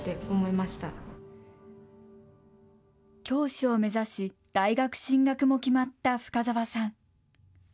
教師を目指し大学進学も決まった深澤さん。